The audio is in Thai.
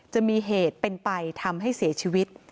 จะมีเหตุเป็นไปทำให้เสียชีวิต